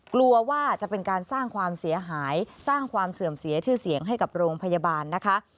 กลัวว่าจะเป็นการสร้างความเสียหายสร้างความเสื่อมเสียชื่อเสียงให้กับโรงพยาบาลนะคะ